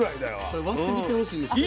これ割ってみてほしいんですけど。